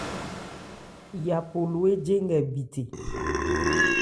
Yapo lo éje nkɛ bithe.